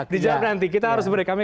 dijawab nanti kita harus berdekamnya